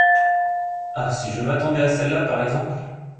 Ah ! si je m’attendais à celle-là, par exemple !